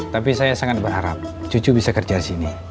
tapi saya sangat berharap cucu bisa kerja sini